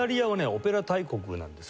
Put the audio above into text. オペラ大国なんですね。